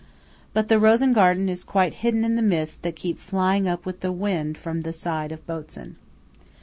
But the Rosengarten is quite hidden in the mists that keep flying up with the wind from the side of Botzen.